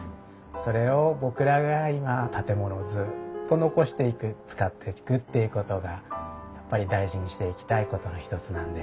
それを僕らが今建物をずっと残していく使っていくっていうことがやっぱり大事にしていきたいことの一つなんで。